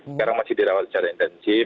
sekarang masih dirawat secara intensif